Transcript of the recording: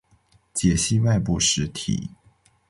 解析外部实体。